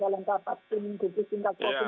yang rentu akan kami bawa dalam